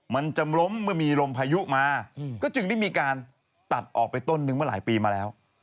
มันจะล้มเมื่อมีลมพายุมาก็จึงได้มีการตัดออกไปต้นนึงเมื่อหลายปีมาแล้ว